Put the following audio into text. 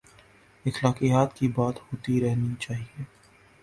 اخلاقیات کی بات ہوتی رہنی چاہیے۔